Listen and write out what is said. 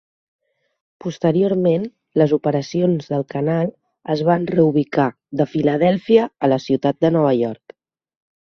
Posteriorment, les operacions del canal es van reubicar de Filadèlfia a la ciutat de Nova York.